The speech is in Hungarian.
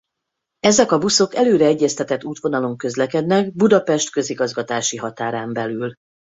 Ezek a buszok előre egyeztetett útvonalon közlekednek Budapest közigazgatási határán belül.